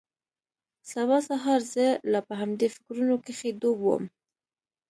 سبا سهار زه لا په همدې فکرونو کښې ډوب وم.